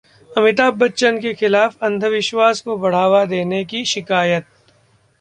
अमिताभ बच्चन के खिलाफ अंधविश्वास को बढ़ावा देने की शिकायत